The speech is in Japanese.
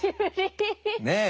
ねえ。